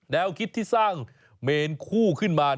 แนวคิดที่สร้างเมนคู่ขึ้นมา